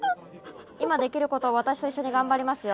今できることを私と一緒にがんばりますよ。